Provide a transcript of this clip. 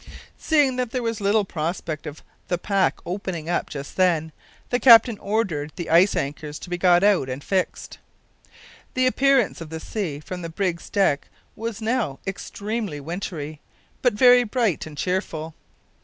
Seeing that there was little prospect of the pack opening up just then, the captain ordered the ice anchors to be got out and fixed. The appearance of the sea from the brig's deck was now extremely wintry, but very bright and cheerful.